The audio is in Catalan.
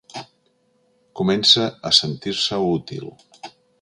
Comença a sentir-se útil.